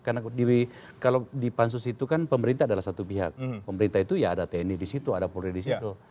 karena kalau di pansus itu kan pemerintah adalah satu pihak pemerintah itu ya ada tni di situ ada purri di situ